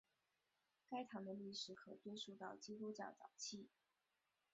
该堂的历史可追溯到基督教早期。